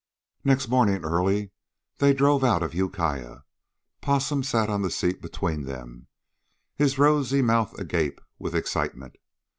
Next morning, early, they drove out of Ukiah. Possum sat on the seat between them, his rosy mouth agape with excitement.